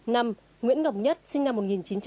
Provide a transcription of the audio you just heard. năm nguyễn ngọc nhất sinh năm một nghìn chín trăm tám mươi